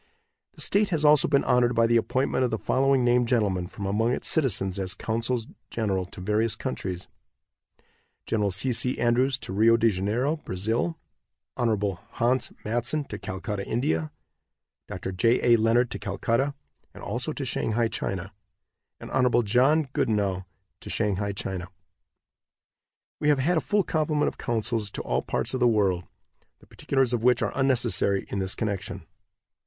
The state has also been honored by the appointment of the following named gentlemen from among its citizens as consuls general to various countries: Gen. C. C. Andrews to Rio de Janeiro, Brazil; Hon. Hans Mattson to Calcutta, India; Dr. J. A. Leonard to Calcutta, and also to Shanghai, China; and Hon. John Goodenow to Shanghai, China. We have had a full complement of consuls to all parts of the world, the particulars of which are unnecessary in this connection.